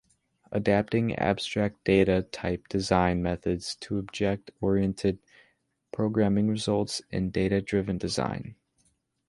Adapting abstract data type design methods to object-oriented programming results in a data-driven design.